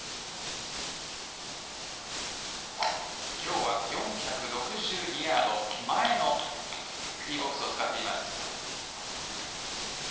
今日は４６２ヤード、前のティーボックスを使っています。